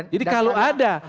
jadi kalau ada